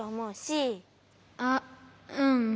あっうん。